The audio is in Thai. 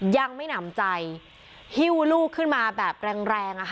ยังไม่หนำใจหิ้วลูกขึ้นมาแบบแรงแรง